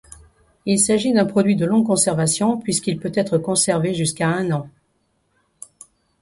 Il s'agit d'un produit de longue conservation puisqu'il peut être conservé jusqu'à un an.